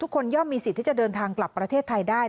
ย่อมมีสิทธิ์ที่จะเดินทางกลับประเทศไทยได้